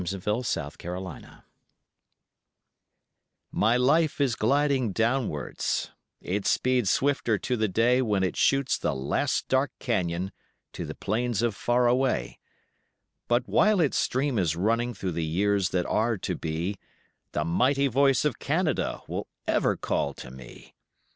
THE ATHABASCA TRAIL My life is gliding downwards; it speeds swifter to the day When it shoots the last dark cañon to the Plains of Far away, But while its stream is running through the years that are to be, The mighty voice of Canada will ever call to me.